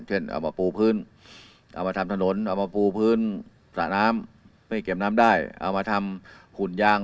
เอามาปูพื้นเอามาทำถนนเอามาปูพื้นสระน้ำไม่เก็บน้ำได้เอามาทำหุ่นยาง